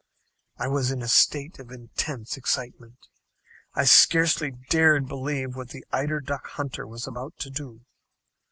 I was in a state of intense excitement. I scarcely dared believe what the eider duck hunter was about to do.